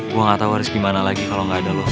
gue gak tau harus gimana lagi kalau lo banget sama rome